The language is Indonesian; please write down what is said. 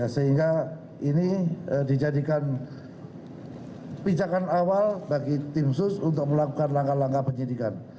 sehingga ini dijadikan pijakan awal bagi tim sus untuk melakukan langkah langkah penyidikan